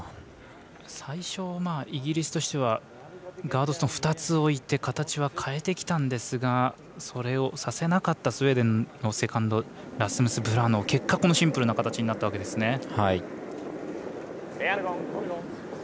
最初は、イギリスとしてはガードストーン２つ置いて形は変えてきたんですがそれをさせなかったスウェーデンのセカンドブラノー、結果シンプルな形になったんですね。